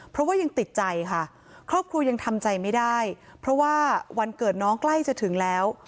เพราะว่ายังติดใจค่ะครอบครัวยังทำใจไม่ได้เพราะว่าวันเกิดน้องใกล้จะถึงแล้ว